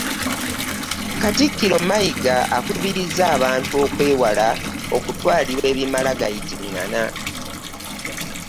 Katikkiro Mayiga akubirizza abantu okwewala okutwalibwa ebimala gayitingana